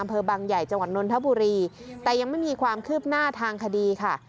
อำเภอบางใหญ่จังหวัดนนทบุรีแต่ยังไม่มีความคืบหน้าทางคดีค่ะ